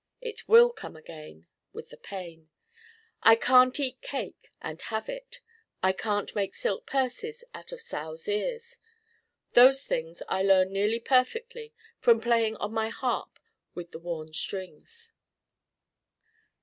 It will come again: with the pain. I can't eat cake and have it. I can't make silk purses out of sows' ears. Those things I learn nearly perfectly from playing on my harp with the Worn Strings.